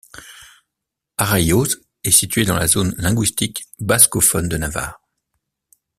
Arraioz est situé dans la zone linguistique bascophone de Navarre.